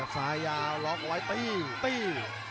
สายยาล็อคไว้ปี้ปี้